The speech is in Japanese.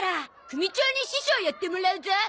組長に師匠やってもらうゾ。